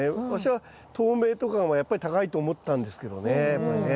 私は透明とかもやっぱり高いと思ったんですけどね。